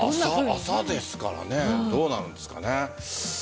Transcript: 朝ですからどうなるんですかね。